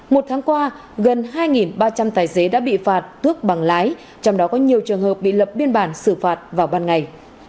một tháng qua gần hai ba trăm linh tài xế đã bị phạt tước bằng lái trong đó có nhiều trường hợp bị lập biên bản xử phạt vào ban ngày